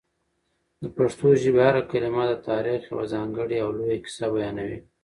د پښتو ژبې هره کلمه د تاریخ یوه ځانګړې او لویه کیسه بیانوي.